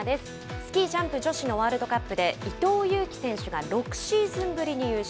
スキージャンプ女子のワールドカップで伊藤有希選手が６シーズンぶりに優勝。